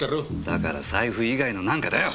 だから財布以外のなんかだよ！